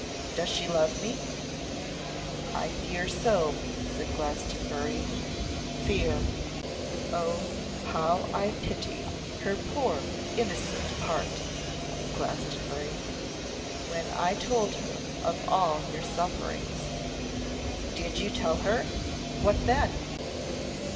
'Does she love me?' 'I fear so,' said Glastonbury. 'Fear!' 'Oh, how I pity her poor innocent heart!' said Glastonbury. 'When I told her of all your sufferings ' 'Did you tell her? What then?